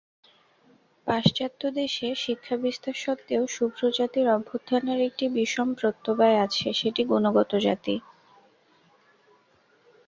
পাশ্চাত্য দেশে শিক্ষাবিস্তার সত্ত্বেও শূদ্রজাতির অভ্যুত্থানের একটি বিষম প্রত্যবায় আছে, সেটি গুণগত জাতি।